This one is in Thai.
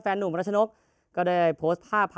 เพราะเมย์จะเจอกับในกีฬาเศรษฐ์เมย์ดาวนะคะ